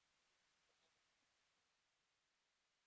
Borondatearekin eta profesionalen laguntzarekin dena da posible.